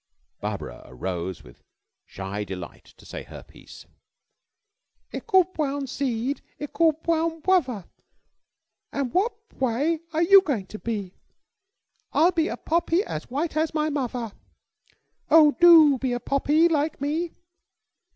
Barbara arose with shy delight to say her piece. "Lickle bwown seed, lickle bwown bwother, And what, pway, are you goin' to be? I'll be a poppy as white as my mother, Oh, DO be a poppy like me!